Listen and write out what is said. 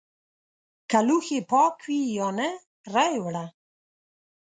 که لوښي پاک وي یا نه رایې وړه!